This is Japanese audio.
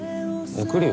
送るよ